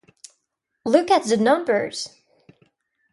Look at the Numbers!